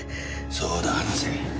そうだ話せ。